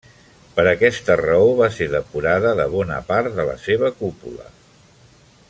Per aquesta raó va ser depurada de bona part de la seva cúpula.